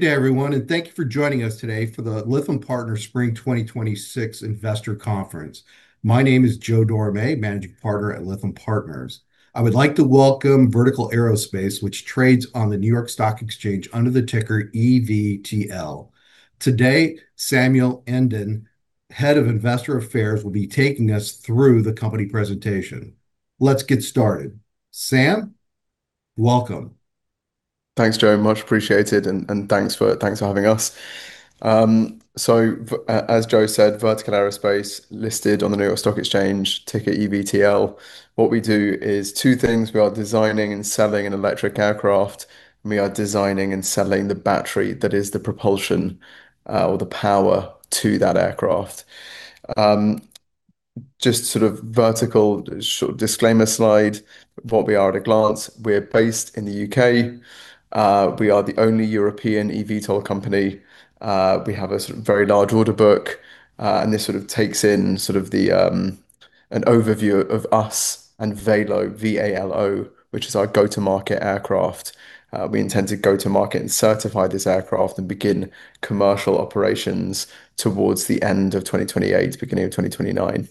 Good day everyone, and thank you for joining us today for the Lytham Partners Spring 2026 Investor Conference. My name is Joe Dorame, Managing Partner at Lytham Partners. I would like to welcome Vertical Aerospace, which trades on the New York Stock Exchange under the ticker EVTL. Today, Samuel Emden, Head of Investor Affairs, will be taking us through the company presentation. Let's get started. Sam, welcome. Thanks, Joe. Much appreciated, and thanks for having us. As Joe said, Vertical Aerospace listed on the New York Stock Exchange, ticker EVTL. What we do is two things, we are designing and selling an electric aircraft, and we are designing and selling the battery that is the propulsion or the power to that aircraft. Just sort of Vertical short disclaimer slide, what we are at a glance. We're based in the U.K. We are the only European eVTOL company. We have a very large order book, and this takes in an overview of us and Valo, V-A-L-O, which is our go-to-market aircraft. We intend to go to market and certify this aircraft and begin commercial operations towards the end of 2028, beginning of 2029.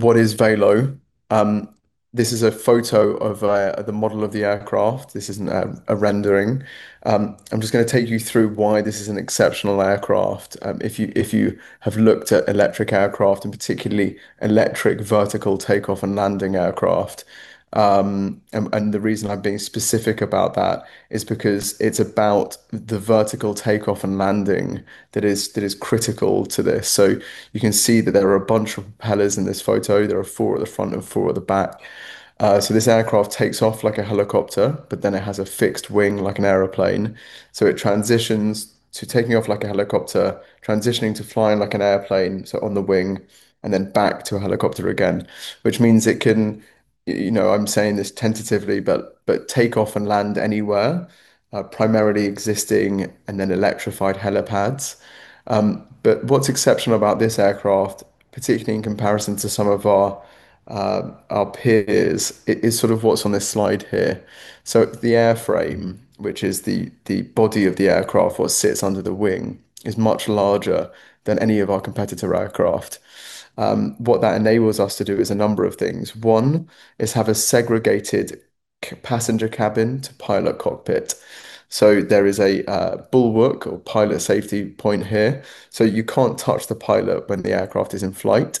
What is Valo? This is a photo of the model of the aircraft. This isn't a rendering. I'm just going to take you through why this is an exceptional aircraft. If you have looked at electric aircraft and particularly electric vertical takeoff and landing aircraft, and the reason I'm being specific about that is because it's about the vertical takeoff and landing that is critical to this. You can see that there are a bunch of propellers in this photo. There are four at the front and four at the back. This aircraft takes off like a helicopter, but then it has a fixed wing like an airplane. It transitions to taking off like a helicopter, transitioning to flying like an airplane, so on the wing, and then back to a helicopter again, which means it can, I'm saying this tentatively, but take off and land anywhere, primarily existing and then electrified helipads. What's exceptional about this aircraft, particularly in comparison to some of our peers, is sort of what's on this slide here. The airframe, which is the body of the aircraft, what sits under the wing, is much larger than any of our competitor aircraft. What that enables us to do is a number of things. One is have a segregated passenger cabin to pilot cockpit. There is a bulwark or pilot safety point here. You can't touch the pilot when the aircraft is in flight.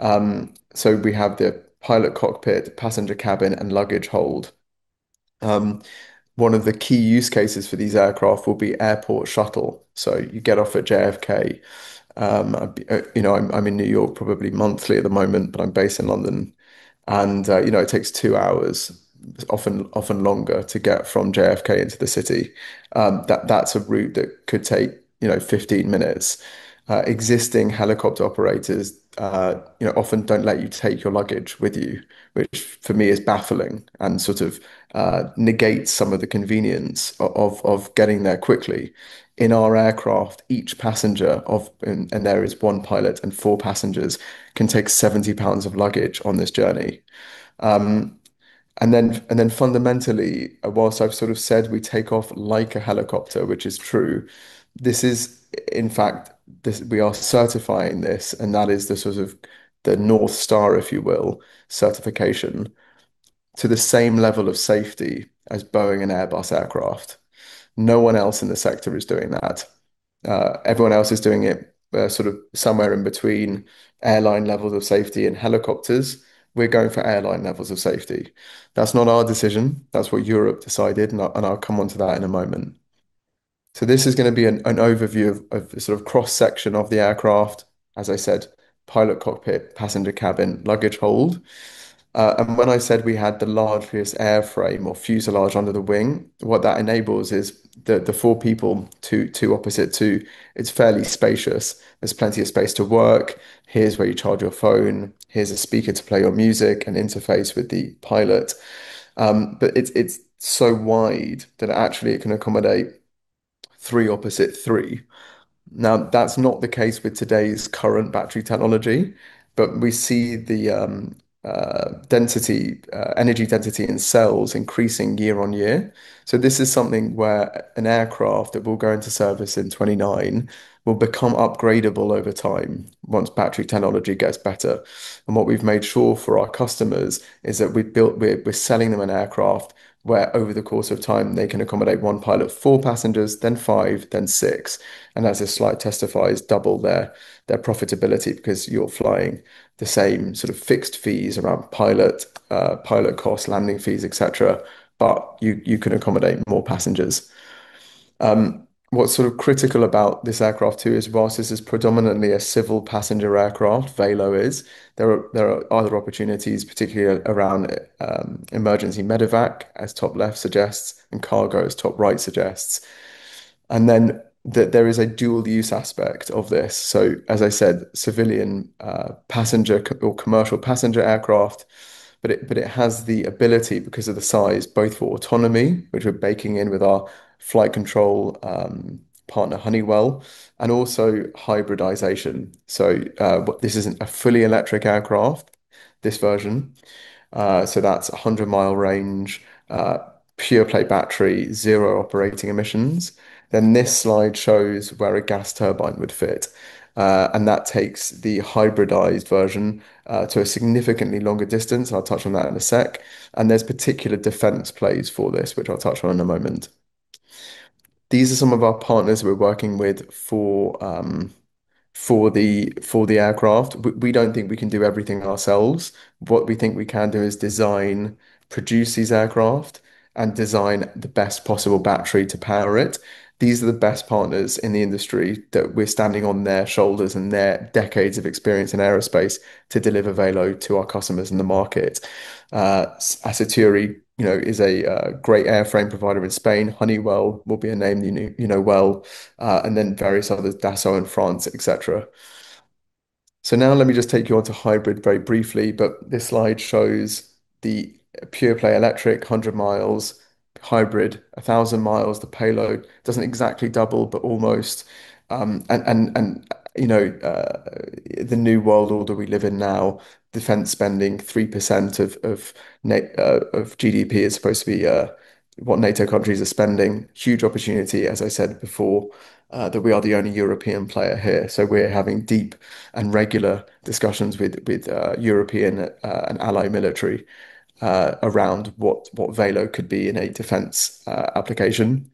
We have the pilot cockpit, passenger cabin, and luggage hold. One of the key use cases for these aircraft will be airport shuttle. You get off at JFK. I'm in New York probably monthly at the moment, but I'm based in London, and it takes two hours, often longer, to get from JFK into the city. That's a route that could take 15 minutes. Existing helicopter operators often don't let you take your luggage with you, which for me is baffling and sort of negates some of the convenience of getting there quickly. In our aircraft, each passenger, and there is one pilot and four passengers, can take 70 pounds of luggage on this journey. Fundamentally, whilst I've sort of said we take off like a helicopter, which is true, this is in fact, we are certifying this, and that is the sort of the north star, if you will, certification to the same level of safety as Boeing and Airbus aircraft. No one else in the sector is doing that. Everyone else is doing it sort of somewhere in between airline levels of safety and helicopters. We're going for airline levels of safety. That's not our decision. That's what Europe decided. I'll come onto that in a moment. This is going to be an overview of sort of cross-section of the aircraft, as I said, pilot cockpit, passenger cabin, luggage hold. When I said we had the largest airframe or fuselage under the wing, what that enables is the four people, two opposite two, it's fairly spacious. There's plenty of space to work. Here's where you charge your phone. Here's a speaker to play your music and interface with the pilot. It's so wide that actually it can accommodate three opposite three. Now, that's not the case with today's current battery technology, but we see the energy density in cells increasing year-on-year. This is something where an aircraft that will go into service in 2029 will become upgradable over time once battery technology gets better. What we've made sure for our customers is that we're selling them an aircraft where over the course of time, they can accommodate one pilot, four passengers, then five, then six, and as this slide testifies, double their profitability because you're flying the same sort of fixed fees around pilot cost, landing fees, et cetera, but you can accommodate more passengers. What's sort of critical about this aircraft too is whilst this is predominantly a civil passenger aircraft, Valo is, there are other opportunities, particularly around emergency medevac, as top left suggests, and cargo, as top right suggests. Then there is a dual use aspect of this. As I said, civilian passenger or commercial passenger aircraft, but it has the ability, because of the size, both for autonomy, which we're baking in with our flight control partner Honeywell, and also hybridization. This is a fully electric aircraft, this version, that's 100-mi range, pure play battery, zero operating emissions. This slide shows where a gas turbine would fit, that takes the hybridized version to a significantly longer distance, I'll touch on that in a sec. There's particular defense plays for this, which I'll touch on in a moment. These are some of our partners we're working with for the aircraft. We don't think we can do everything ourselves. What we think we can do is design, produce these aircraft, and design the best possible battery to power it. These are the best partners in the industry that we're standing on their shoulders and their decades of experience in aerospace to deliver Valo to our customers in the market. Aciturri is a great airframe provider in Spain. Honeywell will be a name you know well, and then various others, Dassault in France, et cetera. Let me just take you on to hybrid very briefly, but this slide shows the pure play electric, 100 mi, hybrid, 1,000 mi. The payload doesn't exactly double, but almost. The new world order we live in now, defense spending 3% of GDP is supposed to be what NATO countries are spending. Huge opportunity, as I said before, that we are the only European player here, so we're having deep and regular discussions with European and ally military around what Valo could be in a defense application.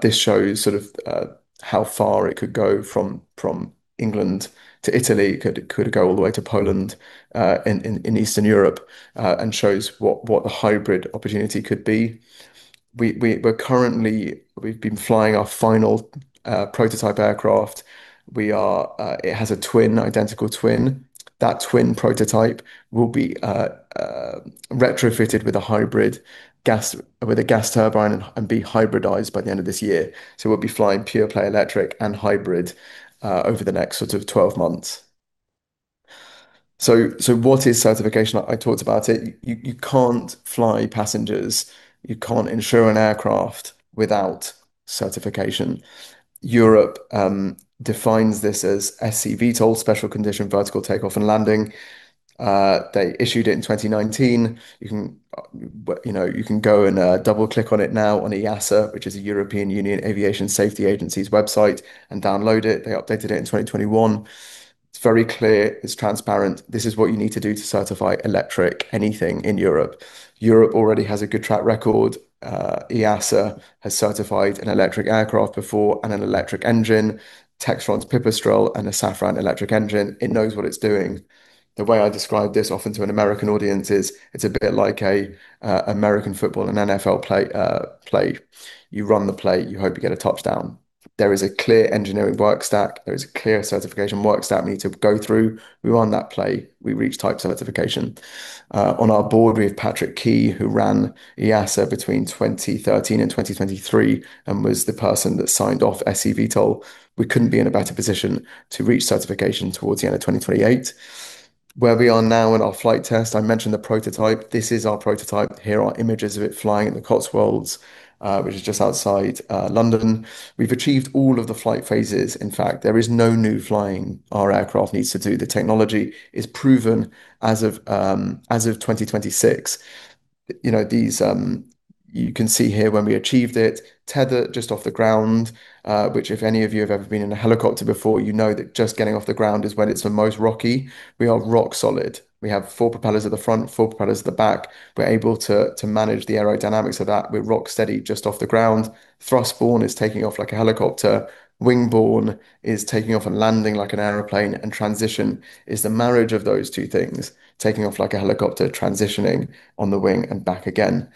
This shows sort of how far it could go from England to Italy, could go all the way to Poland, in Eastern Europe, and shows what the hybrid opportunity could be. We've been flying our final prototype aircraft. It has a twin, identical twin. That twin prototype will be retrofitted with a gas turbine and be hybridized by the end of this year. We'll be flying pure play electric and hybrid over the next sort of 12 months. What is certification? I talked about it. You can't fly passengers, you can't insure an aircraft without certification. Europe defines this as SC-VTOL, Special Condition Vertical Take-Off and Landing. They issued it in 2019. You can go and double-click on it now on EASA, which is European Union Aviation Safety Agency's website, and download it. They updated it in 2021. It's very clear, it's transparent. This is what you need to do to certify electric anything in Europe. Europe already has a good track record. EASA has certified an electric aircraft before and an electric engine. Tecnam Pipistrel and a Safran electric engine. It knows what it's doing. The way I describe this often to an American audience is it's a bit like an American football, an NFL play. You run the play, you hope you get a touchdown. There is a clear engineering work stack, there is a clear certification work stack we need to go through. We run that play, we reach type certification. On our board, we have Patrick Ky, who ran EASA between 2013 and 2023 and was the person that signed off SC-VTOL. We couldn't be in a better position to reach certification towards the end of 2028. Where we are now in our flight test, I mentioned the prototype. This is our prototype. Here are images of it flying in the Cotswolds, which is just outside London. We've achieved all of the flight phases. In fact, there is no new flying our aircraft needs to do. The technology is proven as of 2026. You can see here when we achieved it, tethered just off the ground, which if any of you have ever been in a helicopter before, you know that just getting off the ground is when it's the most rocky. We are rock solid. We have four propellers at the front, four propellers at the back. We're able to manage the aerodynamics of that. We're rock steady just off the ground. Transition is the marriage of those two things, taking off like a helicopter, transitioning on the wing and back again.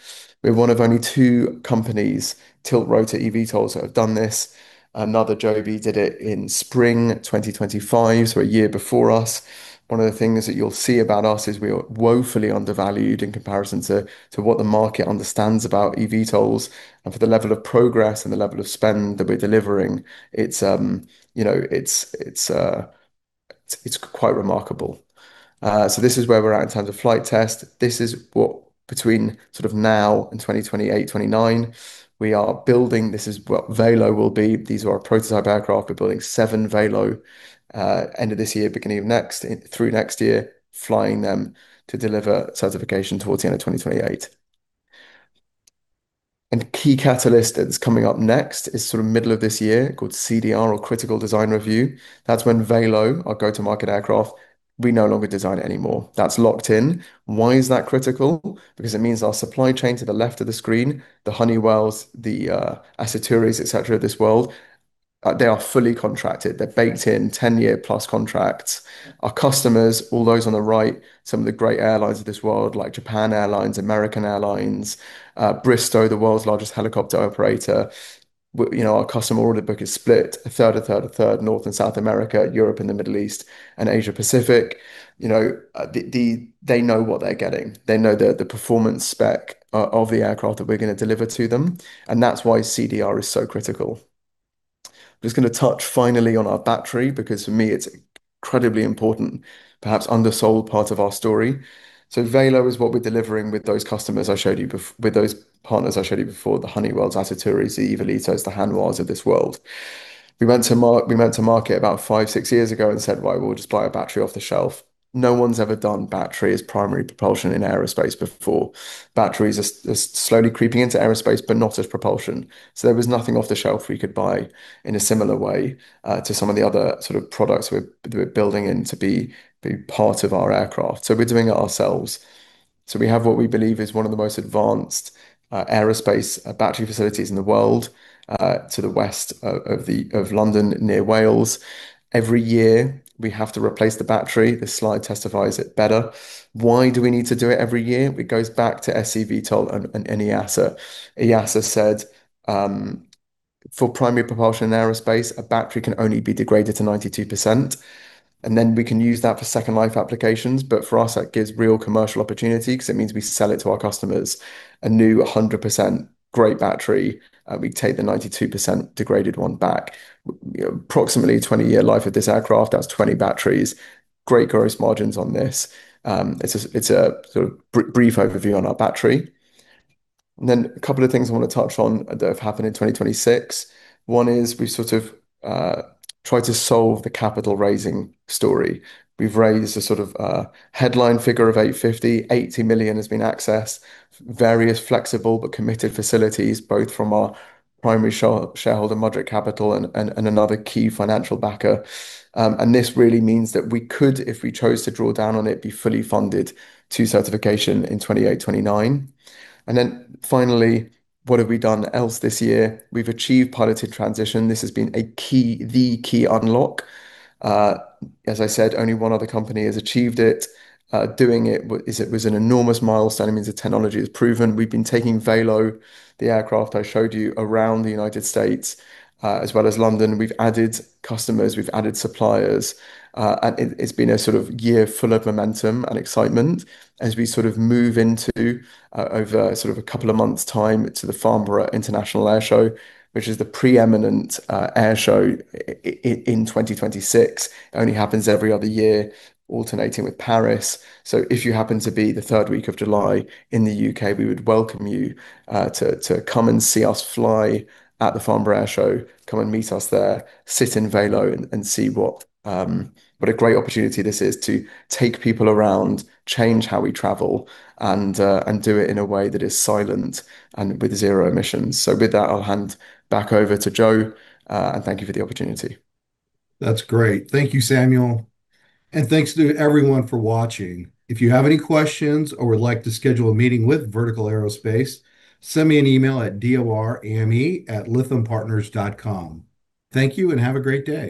We're one of only two companies, tiltrotor eVTOLs, that have done this. Another, Joby, did it in spring 2025, a year before us. One of the things that you'll see about us is we are woefully undervalued in comparison to what the market understands about eVTOLs and for the level of progress and the level of spend that we're delivering. It's quite remarkable. This is where we're at in terms of flight test. This is what between sort of now and 2028, 2029, we are building, this is what Valo will be. These are our prototype aircraft. We're building seven Valo end of this year, beginning of next year, through next year, flying them to deliver certification towards the end of 2028. Key catalyst that's coming up next is sort of middle of this year, called CDR or Critical Design Review. That's when Valo, our go-to-market aircraft, we no longer design it anymore. That's locked in. Why is that critical? It means our supply chain to the left of the screen, the Honeywells, the Aciturris, et cetera, of this world, they are fully contracted. They're baked in 10+year contracts. Our customers, all those on the right, some of the great airlines of this world, like Japan Airlines, American Airlines, Bristow, the world's largest helicopter operator. Our customer order book is split a third, a third, a third, North and South America, Europe and the Middle East, and Asia Pacific. They know what they're getting. They know the performance spec of the aircraft that we're going to deliver to them, that's why CDR is so critical. I'm just going to touch finally on our battery, for me, it's incredibly important, perhaps undersold part of our story. Valo is what we're delivering with those partners I showed you before, the Honeywells, the Aciturris, the Evolitos, the Hanwhas of this world. We went to market about five, six years ago and said, "Well, we'll just buy a battery off the shelf." No one's ever done battery as primary propulsion in aerospace before. Batteries are slowly creeping into aerospace, but not as propulsion. There was nothing off the shelf we could buy in a similar way to some of the other sort of products we're building in to be part of our aircraft. We're doing it ourselves. We have what we believe is one of the most advanced aerospace battery facilities in the world, to the west of London, near Wales. Every year we have to replace the battery. This slide testifies it better. Why do we need to do it every year? It goes back to SC-VTOL and EASA. EASA said for primary propulsion in aerospace, a battery can only be degraded to 92%. Then we can use that for second life applications. For us, that gives real commercial opportunity because it means we sell it to our customers, a new 100% great battery. We take the 92% degraded one back. Approximately 20 year life of this aircraft, that's 20 batteries. Great gross margins on this. It's a sort of brief overview on our battery. Then a couple of things I want to touch on that have happened in 2026. One is we sort of tried to solve the capital raising story. We've raised a sort of headline figure of 850, 80 million has been accessed, various flexible but committed facilities, both from our primary shareholder, Mudrick Capital, and another key financial backer. This really means that we could, if we chose to draw down on it, be fully funded to certification in 2028, 2029. Finally, what have we done else this year? We've achieved piloted transition. This has been the key unlock. As I said, only one other company has achieved it. Doing it was an enormous milestone. It means the technology is proven. We've been taking Valo, the aircraft I showed you, around the U.S., as well as London. We've added customers, we've added suppliers, and it's been a sort of year full of momentum and excitement as we sort of move into, over sort of a couple of months' time, to the Farnborough International Airshow, which is the preeminent air show in 2026. It only happens every other year, alternating with Paris. If you happen to be the third week of July in the U.K., we would welcome you to come and see us fly at the Farnborough Airshow. Come and meet us there, sit in Valo and see what a great opportunity this is to take people around, change how we travel, and do it in a way that is silent and with zero emissions. With that, I'll hand back over to Joe, and thank you for the opportunity. That's great. Thank you, Samuel, and thanks to everyone for watching. If you have any questions or would like to schedule a meeting with Vertical Aerospace, send me an email at dorame@lythampartners.com. Thank you and have a great day.